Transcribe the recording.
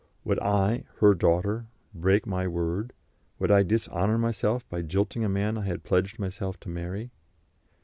Would I, her daughter, break my word, would I dishonour myself by jilting a man I had pledged myself to marry?